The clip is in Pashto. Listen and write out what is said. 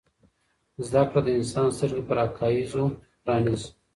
زده کړه د انسان سترګې پر حقایضو پرانیزي.